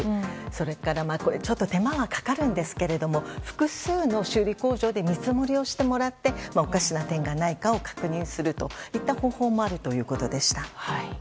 それからちょっと手間がかかるんですが複数の修理工場で見積もりをしてもらっておかしな点がないかを確認するといった方法もあるということでした。